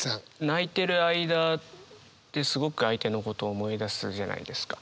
泣いてる間ってすごく相手のことを思い出すじゃないですか。